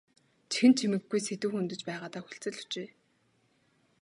Чихэнд чимэггүй сэдэв хөндөж байгаадаа хүлцэл өчье.